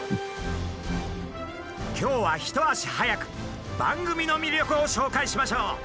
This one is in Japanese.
今日は一足早く番組の魅力を紹介しましょう！